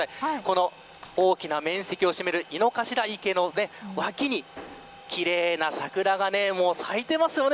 この大きな面積を占める井の頭池の脇に奇麗な桜が咲いてますよね。